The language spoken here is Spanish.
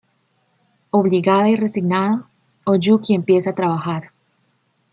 Obligada y resignada, Oyuki empieza a trabajar.